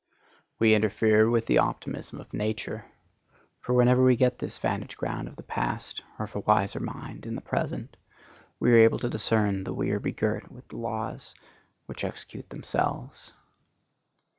We interfere with the optimism of nature; for whenever we get this vantage ground of the past, or of a wiser mind in the present, we are able to discern that we are begirt with laws which execute themselves.